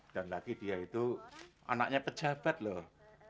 dan lagi dia itu anaknya pejabat loh